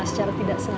secara tidak senang